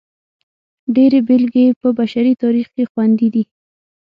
ډېرې بېلګې یې په بشري تاریخ کې خوندي دي.